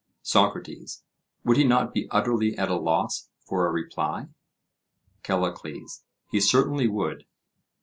SOCRATES: Would he not be utterly at a loss for a reply? CALLICLES: He certainly would.